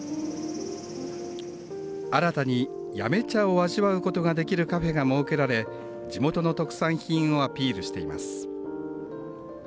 新たに八女茶を味わうことができるカフェが設けられ地元の特産品をアピールしています。